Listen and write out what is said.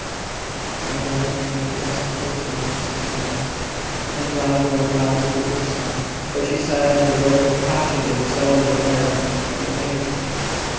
So the Nightingale pressed closer against the thorn, and louder and louder grew her song, for she sang of the birth of passion in the soul of a man and a maid.